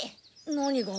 何が？